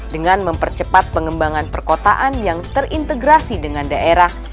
dengan mempercepat pengembangan perkotaan yang terintegrasi dengan daerah